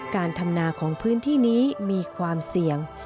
การทำนาของพื้นที่นี้มีความเสี่ยง